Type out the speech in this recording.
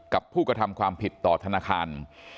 กับผู้กระทำความผิดต่อธนาคาร